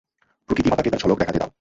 প্রকৃতিমাতাকে তার ঝলক দেখাতে দাও!